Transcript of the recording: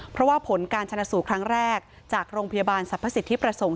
เพราะว่าผลการชนะสูตรครั้งแรกจากโรงพยาบาลสรรพสิทธิประสงค์